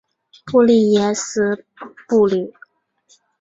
布利耶斯布吕。